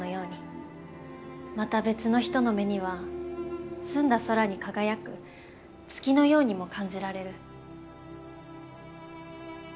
また別の人の目には澄んだ空に輝く月のようにも感じられる。